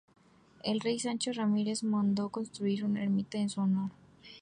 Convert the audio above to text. El rey Sancho Ramírez mandó construir una ermita en su honor.